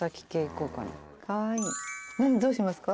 どうしますか？